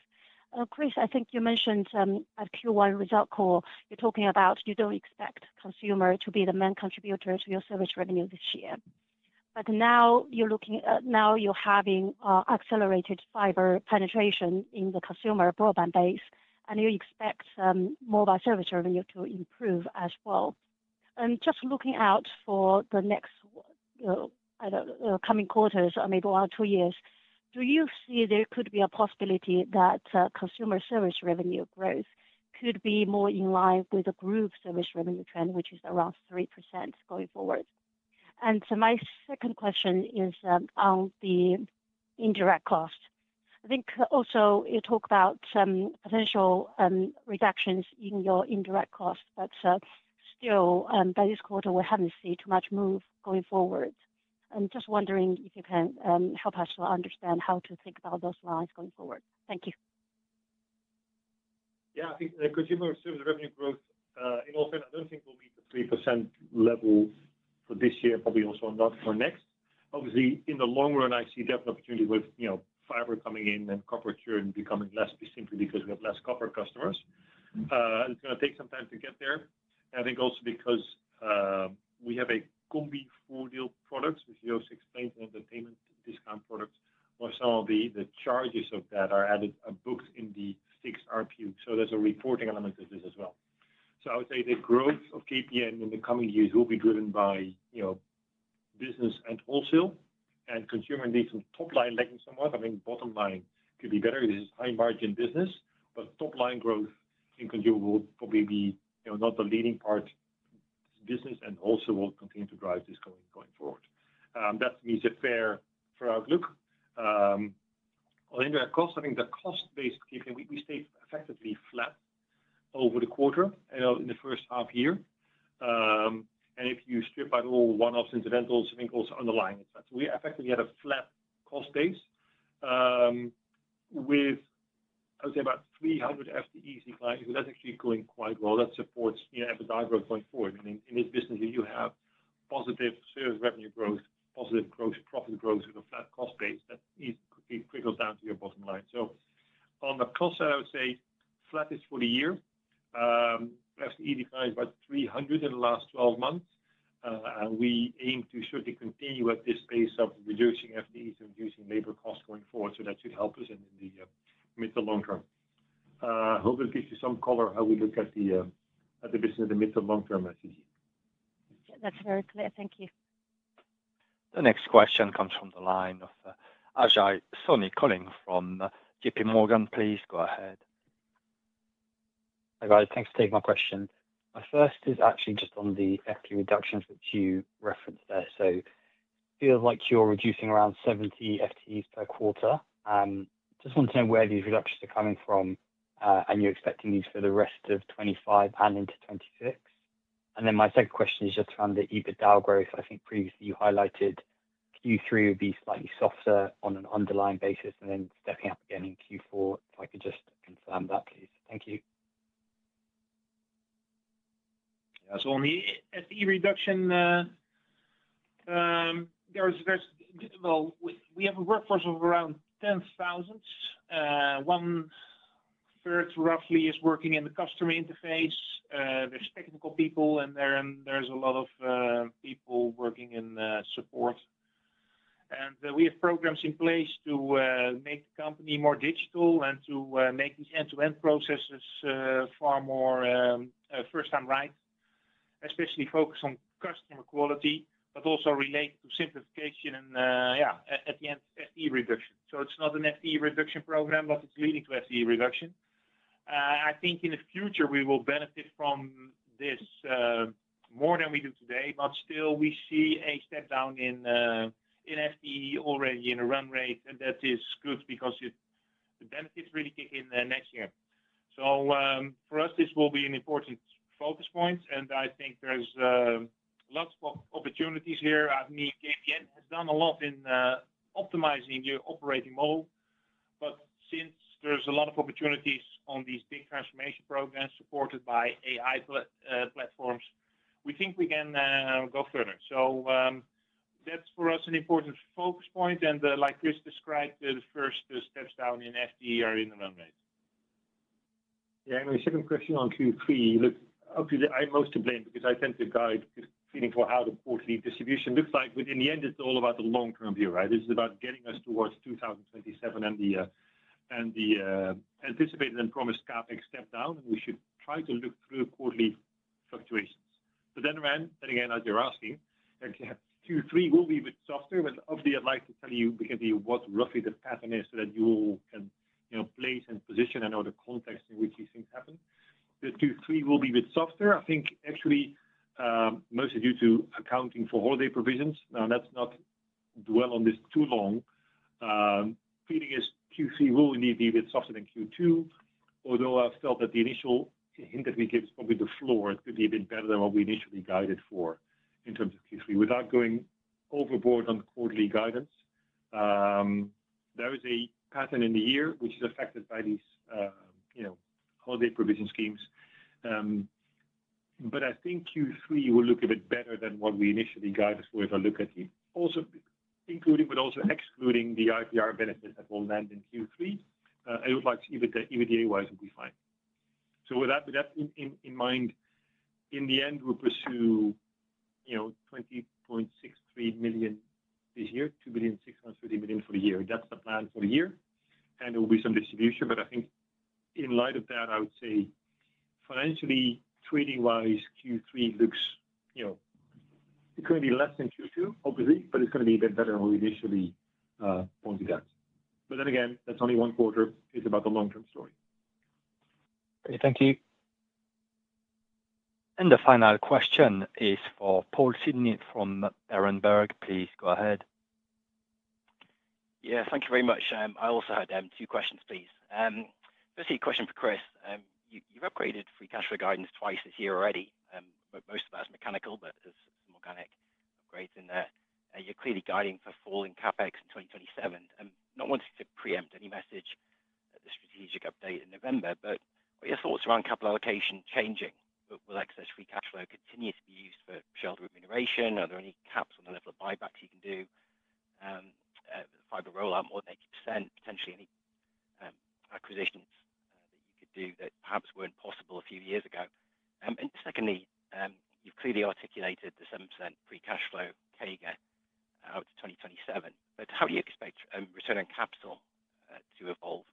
Chris, I think you mentioned at Q1 result call, you're talking about you don't expect consumer to be the main contributor to your service revenue this year. Now you're looking, now you're having accelerated fiber penetration in the consumer broadband base, and you expect mobile service revenue to improve as well. Just looking out for the next coming quarters, maybe one or two years, do you see there could be a possibility that consumer service revenue growth could be more in line with the group service revenue trend, which is around 3% going forward? My second question is on the indirect cost. I think also you talk about some potential reductions in your indirect cost, but still, by this quarter, we haven't seen too much move going forward. Just wondering if you can help us to understand how to think about those lines going forward. Thank you. Yeah, I think consumer service revenue growth in all fairness, I don't think we'll meet the 3% level for this year, probably also not for next. Obviously, in the long run, I see definite opportunity with fiber coming in and copper churn becoming less simply because we have fewer copper customers. It's going to take some time to get there. I think also because we have a CombiVoordeel product, which Joost explained, an entertainment discount product, where some of the charges of that are added and booked in the fixed ARPU. There's a reporting element to this as well. I would say the growth of KPN in the coming years will be driven by business and wholesale, and consumer needs some top-line legging somewhat. I mean, bottom line could be better. This is high-margin business, but top-line growth in consumer will probably be not the leading part. Business and wholesale will continue to drive this going forward. That means a fair forward look. On indirect cost, I think the cost base at KPN, we stayed effectively flat over the quarter and in the first half year. If you strip out all one-offs, incidentals, I think also underlying it. We effectively had a flat cost base, with, I would say, about 300 FTEs in clients, so that's actually going quite well. That supports EBITDA going forward. In this business, you have positive service revenue growth, positive profit growth with a flat cost base that could be trickled down to your bottom line. On the cost side, I would say flatness for the year. FTE declined by 300 in the last 12 months. We aim to certainly continue at this pace of reducing FTEs and reducing labor costs going forward, so that should help us in the mid to long term. Hopefully, it gives you some color how we look at the business in the mid to long term, I see. That's very clear. Thank you. The next question comes from the line of Ajay Soni calling from JPMorgan. Please go ahead. Hi guys, thanks for taking my question. My first is actually just on the FTE reductions that you referenced there. It feels like you're reducing around 70 FTEs per quarter. I just want to know where these reductions are coming from. You're expecting these for the rest of 2025 and into 2026? My second question is just around the EBITDA growth. I think previously you highlighted Q3 would be slightly softer on an underlying basis, and then stepping up again in Q4. If I could just confirm that, please. Thank you. Yeah, on the FTE reduction. We have a workforce of around 10,000. 1/3, roughly, is working in the customer interface. There are technical people, and there are a lot of people working in support. We have programs in place to make the company more digital and to make these end-to-end processes far more first-time right, especially focused on customer quality, but also related to simplification and, yeah, at the end, FTE reduction. It is not an FTE reduction program, but it is leading to FTE reduction. I think in the future, we will benefit from this more than we do today, but still we see a step down in FTE already in the run rate, and that is good because the benefits really kick in next year. For us, this will be an important focus point, and I think there are lots of opportunities here. I mean, KPN has done a lot in optimizing the operating model, but since there are a lot of opportunities on these big transformation programs supported by AI platforms, we think we can go further. That is for us an important focus point, and like Chris described, the first steps down in FTE are in the run rate. Yeah, and my 2nd question on Q3, look, obviously, I'm most to blame because I tend to guide feeling for how the quarterly distribution looks like, but in the end, it's all about the long-term view, right? This is about getting us towards 2027 and the anticipated and promised CapEx step down, and we should try to look through quarterly fluctuations. As you're asking, Q3 will be a bit softer, but obviously, I'd like to tell you basically what roughly the pattern is so that you can place and position and know the context in which these things happen. Q3 will be a bit softer. I think actually mostly due to accounting for holiday provisions. Now, let's not dwell on this too long. Feeling is Q3 will indeed be a bit softer than Q2, although I felt that the initial hint that we gave is probably the floor. It could be a bit better than what we initially guided for in terms of Q3. Without going overboard on quarterly guidance, there is a pattern in the year which is affected by these holiday provision schemes. I think Q3 will look a bit better than what we initially guided for if I look at the also including, but also excluding, the IPR benefits that will land in Q3. I would like to see if the EBITDA-wise will be fine. With that in mind, in the end, we'll pursue 20.63 million this year, 2,650 million for the year. That's the plan for the year, and there will be some distribution, but I think in light of that, I would say financially, trading-wise, Q3 looks, it could be less than Q2, obviously, but it's going to be a bit better than we initially pointed out. Then again, that's only one quarter. It's about the long-term story. Okay, thank you. The final question is for Paul Sidney from Berenberg. Please go ahead. Yeah, thank you very much. I also had two questions, please. Firstly, a question for Chris. You've upgraded free cash flow guidance twice this year already. Most of that's mechanical, but there's some organic upgrades in there. You're clearly guiding for falling CapEx in 2027. I'm not wanting to preempt any message at the strategic update in November, but what are your thoughts around capital allocation changing? Will excess free cash flow continue to be used for shareholder remuneration? Are there any caps on the level of buybacks you can do? Fiber rollout more than 80%, potentially any acquisitions that you could do that perhaps weren't possible a few years ago? Secondly, you've clearly articulated the 7% free cash flow CAGR out to 2027. How do you expect return on capital to evolve over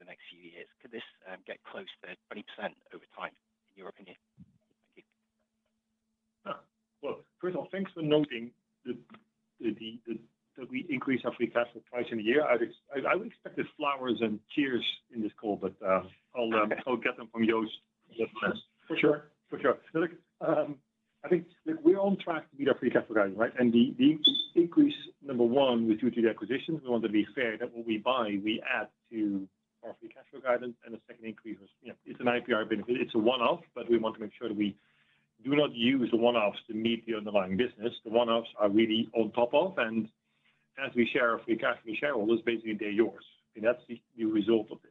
the next few years? Could this get close to 20% over time, in your opinion? Thank you. First of all, thanks for noting that we increase our free cash flow twice in a year. I would expect the flowers and cheers in this call, but I'll get them from Joost's list. For sure. For sure. Look, I think we're on track to meet our free cash flow guidance, right? The increase, number one, was due to the acquisitions. We want to be fair that what we buy, we add to our free cash flow guidance, and the second increase was. It's an IPR benefit. It's a one-off, but we want to make sure that we do not use the one-offs to meet the underlying business. The one-offs are really on top of, and as we share our free cash with shareholders, basically they're yours. That's the result of this.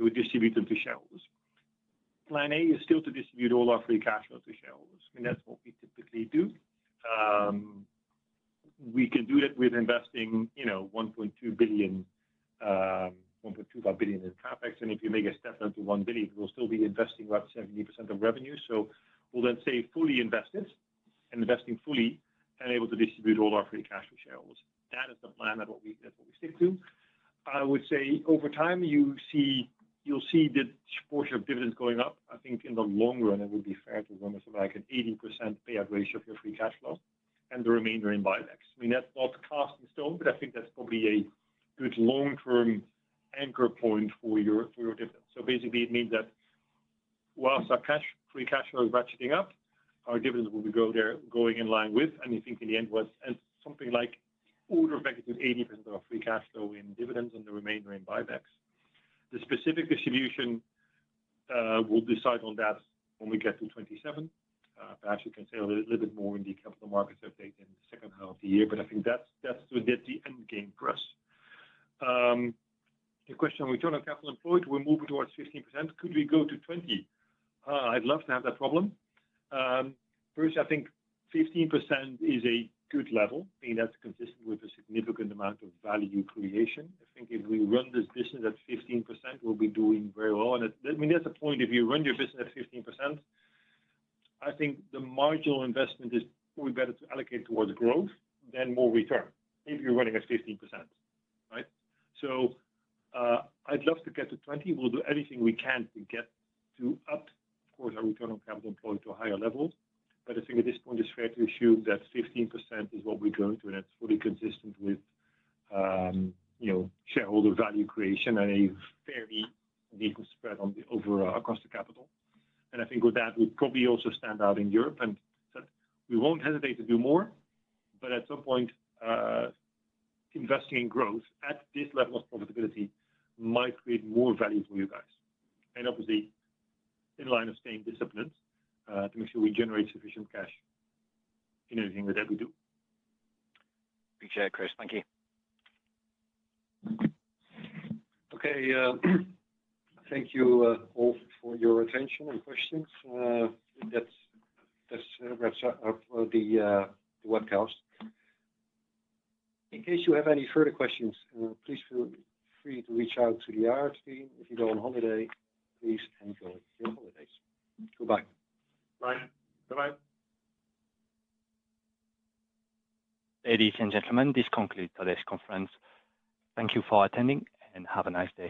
We distribute them to shareholders. Plan A is still to distribute all our free cash flow to shareholders. I mean, that's what we typically do. We can do that with investing 1.2 billion-1.25 billion in CapEx, and if you make a step down to 1 billion, we'll still be investing about 70% of revenue. We'll then stay fully invested and investing fully and able to distribute all our free cash to shareholders. That is the plan that we stick to. I would say over time, you'll see the proportion of dividends going up. I think in the long run, it would be fair to run with like an 80% payout ratio of your free cash flow and the remainder in buybacks. I mean, that's not cast in stone, but I think that's probably a good long-term anchor point for your dividends. Basically, it means that whilst our free cash flow is ratcheting up, our dividends will be going in line with, and I think in the end, something like order of magnitude 80% of our free cash flow in dividends and the remainder in buybacks. The specific distribution, we'll decide on that when we get to 2027. Perhaps we can say a little bit more in the capital markets update in the 2nd half of the year, but I think that's the end game for us. The question on return on capital employed, we're moving towards 15%. Could we go to 20%? I'd love to have that problem. First, I think 15% is a good level, meaning that's consistent with a significant amount of value creation. I think if we run this business at 15%, we'll be doing very well. I mean, that's the point. If you run your business at 15%, I think the marginal investment is probably better to allocate towards growth than more return, if you're running at 15%, right? I'd love to get to 20%. We'll do everything we can to get up, of course, our return on capital employed to a higher level. I think at this point, it's fair to assume that 15% is what we're going to, and it's fully consistent with shareholder value creation and a fairly decent spread across the capital. I think with that, we probably also stand out in Europe. We won't hesitate to do more, but at some point. Investing in growth at this level of profitability might create more value for you guys. Obviously, in line with staying disciplined to make sure we generate sufficient cash in anything that we do. Appreciate it, Chris. Thank you. Okay. Thank you all for your attention and questions. That is a wrap up of the webcast. In case you have any further questions, please feel free to reach out to the IR team. If you go on holiday, please enjoy your holidays. Goodbye. Bye. Bye-bye. Ladies and gentlemen, this concludes today's conference. Thank you for attending and have a nice day.